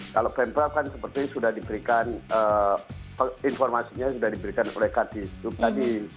kalau pemprov kan seperti sudah diberikan informasinya sudah diberikan oleh karti stub tadi